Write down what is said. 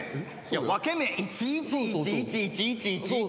分け目１・１・１・１・１・１・１・１？